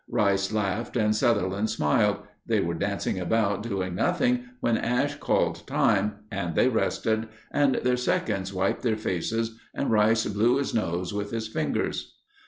Rice laughed and Sutherland smiled. They were dancing about doing nothing when Ash called time, and they rested, and their seconds wiped their faces and Rice blew his nose with his fingers.